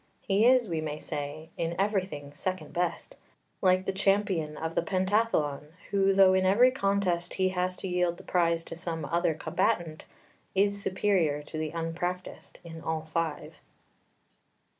He is, we may say, in everything second best, like the champion of the pentathlon, who, though in every contest he has to yield the prize to some other combatant, is superior to the unpractised in all five.